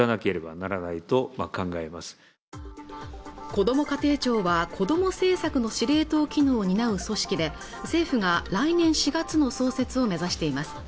こども家庭庁はこども政策の司令塔機能を担う組織で政府が来年４月の創設を目指しています